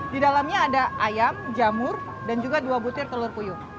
di dalamnya ada ayam jamur dan juga dua butir telur puyuh